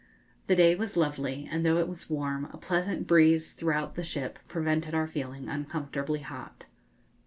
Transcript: The day was lovely, and though it was warm, a pleasant breeze throughout the ship prevented our feeling uncomfortably hot.